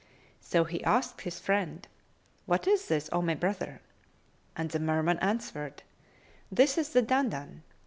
So he asked his friend, "What is this, O my brother?"; and the Merman answered, "This is the Dandan.